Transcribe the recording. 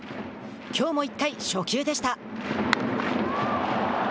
きょうも１回、初球でした。